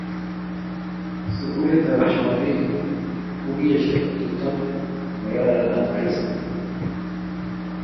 Sukulit ab jumambili kokiesha atepto ne kararan ab kirsto